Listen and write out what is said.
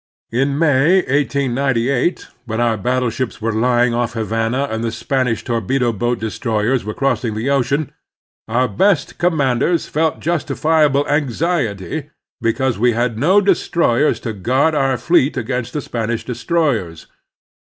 In May, 1898, when our battleships were lying off Havana and the Spanish torpedo boat de stroyers were crossing the ocean, our best com manders felt justifiable anxiety because we had no destroyers to guard our fleet against the Span ish destroyers.